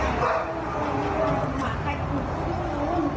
๒๐๐๐ด้วยวันละพันธุ์๒วัน